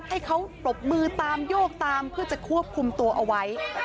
ให้เขาปรบมือตามโยกตามเพื่อจะควบคุมตัวเอาไว้